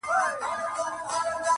لاري د مغولو چي سپرې سوې پر کېږدیو-